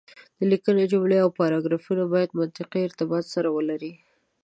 د ليکنې جملې او پاراګرافونه بايد منطقي ارتباط سره ولري.